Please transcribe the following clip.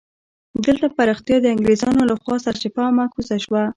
دلته پراختیا د انګرېزانو له خوا سرچپه او معکوسه شوه.